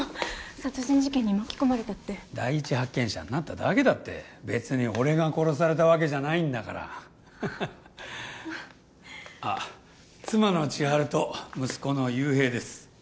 殺人事件に巻き込まれたって第一発見者になっただけだって別に俺が殺されたわけじゃないんだからあっ妻の千晴と息子の勇平です